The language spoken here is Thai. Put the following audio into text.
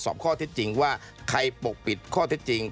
สอบข้อเท็จจริงว่าใครปกปิดข้อเท็จจริง